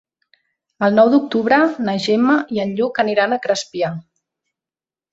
El nou d'octubre na Gemma i en Lluc aniran a Crespià.